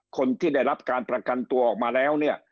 คนที่ได้รับการประกันตัวออกมาแล้วเนี่ย